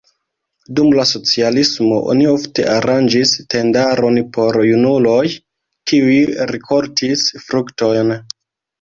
Dum la socialismo oni ofte aranĝis tendaron por junuloj, kiuj rikoltis fruktojn.